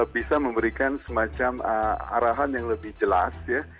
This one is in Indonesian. bisa memberikan semacam arahan yang lebih jelas ya